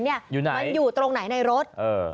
มันอยู่ตรงไหนในรถ